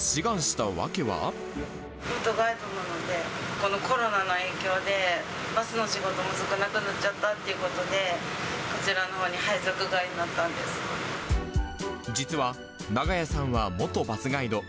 元ガイドなので、このコロナの影響で、バスの仕事も少なくなっちゃったっていうことで、こちらのほうに実は、永冶さんは元バスガイド。